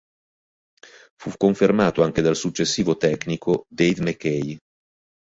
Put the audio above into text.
Fu confermato anche dal successivo tecnico Dave Mackay.